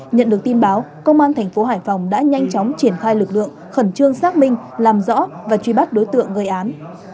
nhận được tin báo công an thành phố hải phòng đã nhanh chóng triển khai lực lượng khẩn trương xác minh làm rõ và truy bắt đối tượng gây án